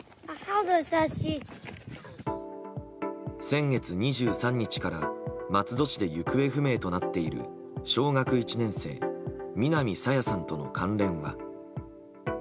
先月２３日から松戸市で行方不明となっている小学１年生南朝芽さんとの関連は。